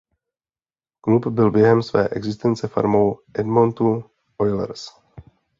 Klub byl během své existence farmou Edmontonu Oilers.